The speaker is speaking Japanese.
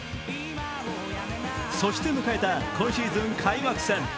そして迎えた今シーズン開幕戦。